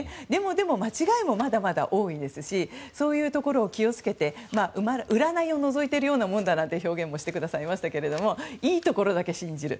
でも、間違いもまだまだ多いですしそういうところを気を付けて占いをのぞいているようなものだという表現もしてくださいましたがいいところだけ信じる。